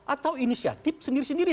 atau inisiatif sendiri sendiri